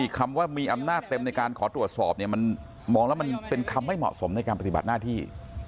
คำว่ามีอำนาจเต็มในการขอตรวจสอบเนี่ยมันมองแล้วมันเป็นคำไม่เหมาะสมในการปฏิบัติหน้าที่